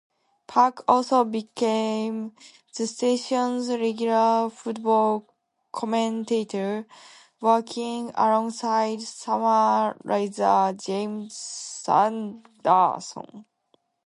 Park also became the station's regular football commentator, working alongside summariser James Sanderson.